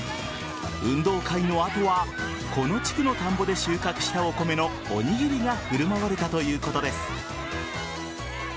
運動会の後はこの地区の田んぼで収穫したお米のおにぎりが振る舞われたということです。